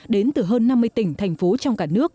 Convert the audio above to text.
đến từ hơn năm mươi tỉnh thành phố trong cả nước